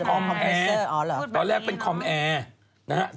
คอมแอร์ตอนแรกเป็นคอมแอร์นะฮะ